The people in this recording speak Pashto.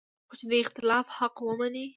خو چې د اختلاف حق مني